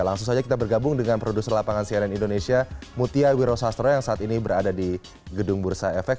langsung saja kita bergabung dengan produser lapangan cnn indonesia mutia wiro sastro yang saat ini berada di gedung bursa efek